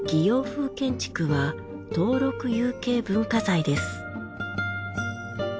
洋風建築は登録有形文化財です。